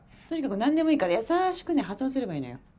とにかく何でもいいからやさしくね発音すればいいのよ。